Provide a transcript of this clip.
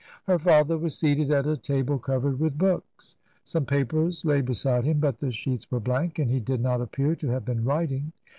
Her father was seated at a table covered with books. Some papers lay before him, but the sheets were blank, and he did not appear to have been writing.